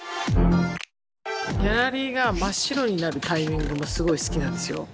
ギャラリーが真っ白になるタイミングもすごい好きなんですよ。